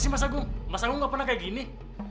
masa gung ga pernah kayak gini